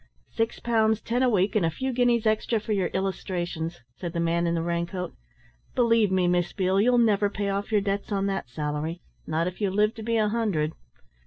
"Six pounds ten a week, and a few guineas extra for your illustrations," said the man in the raincoat. "Believe me, Miss Beale, you'll never pay off your debts on that salary, not if you live to be a hundred."